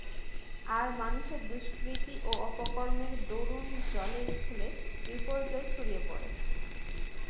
আর মানুষের দুষ্কৃতি ও অপকর্মের দরুন জলে স্থলে বিপর্যয় ছড়িয়ে পড়ে।